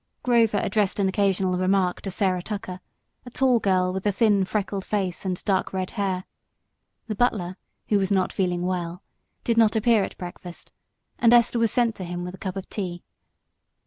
Grover addressed an occasional remark to Sarah Tucker, a tall girl with a thin freckled face and dark red hair. The butler, who was not feeling well, did not appear at breakfast, and Esther was sent to him with a cup of tea.